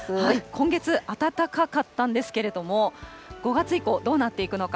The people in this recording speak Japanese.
今月、暖かかったんですけども、５月以降、どうなっていくのか。